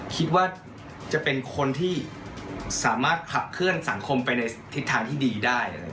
คิดว่าจะเป็นคนที่สามารถขับเคลื่อนสังคมไปในทิศทางที่ดีได้